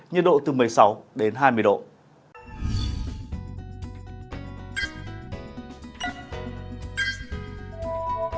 nhiệt độ từ một mươi sáu đến hai mươi độ